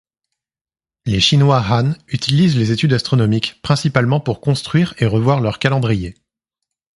Les Chinois Han utilisent les études astronomiques principalement pour construire et revoir leur calendrier.